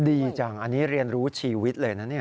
ดีจังอันนี้เรียนรู้ชีวิตเลยนะเนี่ย